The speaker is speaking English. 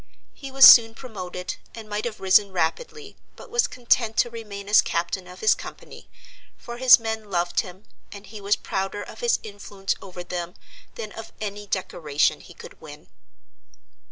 He was soon promoted, and might have risen rapidly, but was content to remain as captain of his company; for his men loved him, and he was prouder of his influence over them than of any decoration he could win.